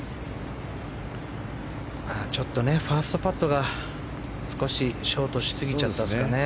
ちょっとファーストパットがショートしすぎちゃいましたか。